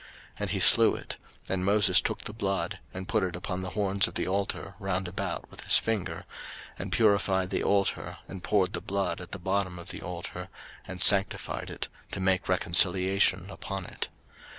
03:008:015 And he slew it; and Moses took the blood, and put it upon the horns of the altar round about with his finger, and purified the altar, and poured the blood at the bottom of the altar, and sanctified it, to make reconciliation upon it.